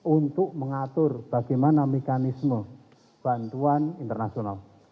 untuk mengatur bagaimana mekanisme bantuan internasional